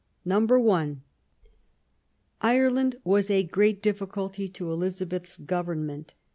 (i) Ireland was a great difficulty to Elizabeth's government.